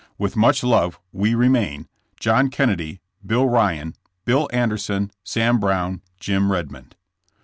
"With much love we remain, John Kennedy, Bill Ryan, Bill Anderson, Sam Brown, Jim Redmond.